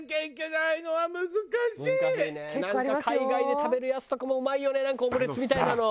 なんか海外で食べるやつとかもうまいよねなんかオムレツみたいなの。